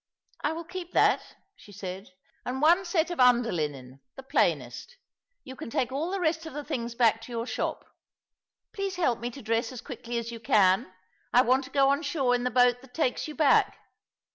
" I will keep that/* she said, " and one set of nnderlinen, the plainest. Yon can take all the rest of the things back to your shop. Please help me to dress as quickly as you can — I want to go on shore in the boat that takes you back."